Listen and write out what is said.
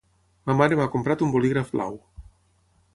Ma mare m'ha comprat un bolígraf blau.